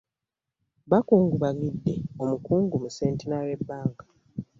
Bukungubagidde omukungu mu Centinery Bank.